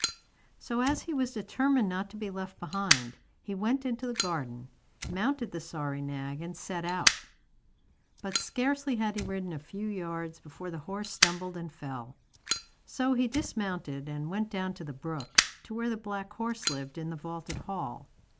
So as he was determined not to be left behind, he went into the garden, mounted the sorry nag, and set out. But scarcely had he ridden a few yards before the horse stumbled and fell. So he dismounted and went down to the brook, to where the black horse lived in the vaulted hall.